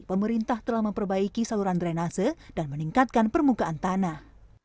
pemerintah telah memperbaiki saluran drenase dan meningkatkan permukaan tanah